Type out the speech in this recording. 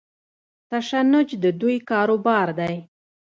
تشنج د دوی کاروبار دی.